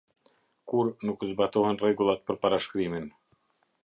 Kur nuk zbatohen rregullat për parashkrimin.